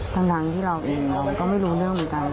ทั้งที่เราเองเราก็ไม่รู้เรื่องเหมือนกัน